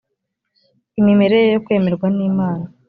imimerere yo kwemerwa n imana